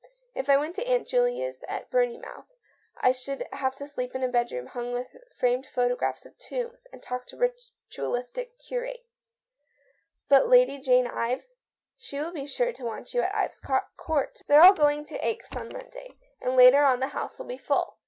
" If I went to Aunt Julia's at Bournemouth, I should have to sleep in a bedroom hung with framed photographs of tombs and talk to ritualistic curates "" But Lady Jane Ives ? She will be sure to want you at Ives Court." " They're going to Aix on Monday, and later on the house will be full.